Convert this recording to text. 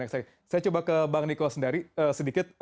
saya coba ke bang niko sendiri sedikit